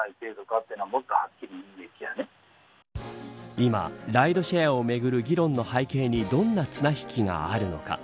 今、ライドシェアをめぐる議論の背景にどんな綱引きがあるのか。